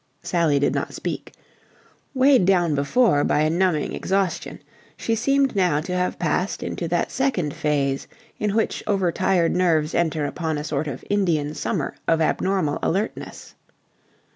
Sally did not speak. Weighed down before by a numbing exhaustion, she seemed now to have passed into that second phase in which over tired nerves enter upon a sort of Indian summer of abnormal alertness.